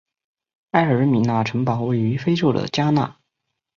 埃尔米纳城堡位于非洲的加纳。